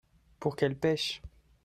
pour qu'elles pêchent.